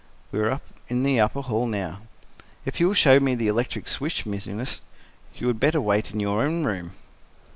We were in the upper hall now. "If you will show me the electric switch, Miss Innes, you would better wait in your own room."